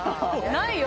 ないよ